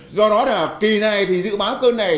do đó là kỳ này thì dự báo cơn này